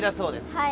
はい。